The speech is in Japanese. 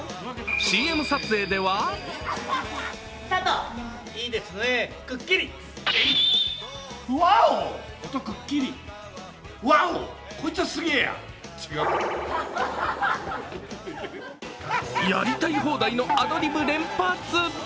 ＣＭ撮影ではやりたい放題のアドリブ連発。